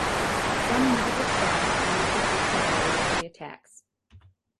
Some medical staff refused to treat survivors of the attacks.